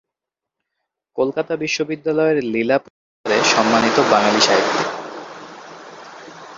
কলকাতা বিশ্ববিদ্যালয়ের লীলা পুরস্কারে সম্মানিত বাঙালি সাহিত্যিক।